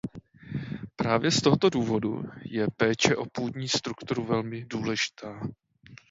Právě z tohoto důvodu je péče o půdní strukturu velmi důležitá.